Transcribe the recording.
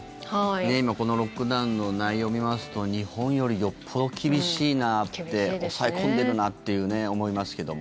今、このロックダウンの内容を見ますと日本よりよっぽど厳しいなって抑え込んでいるなって思いますけども。